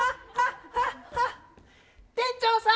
店長さん！